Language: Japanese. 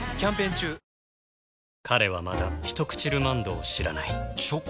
彼はまだ「ひとくちルマンド」を知らないチョコ？